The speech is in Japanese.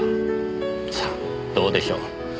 さあどうでしょう？